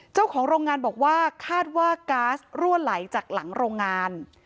เจ้าของโรงงานบอกว่าคาดว่าก๊าซรั่วไหลจากหลังโรงงาน